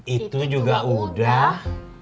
itu juga udah